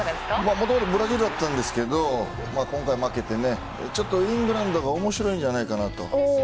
もともとブラジルだったんですけど今回負けて、イングランドが面白いんじゃないかと。